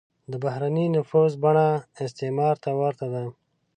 د بهرنی نفوذ بڼه استعمار ته ورته ده.